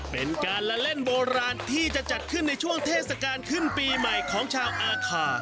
เป็นเบอร์ลานที่จะจัดขึ้นในช่วงเทศกาลขึ้นปีใหม่ของชาวอาคา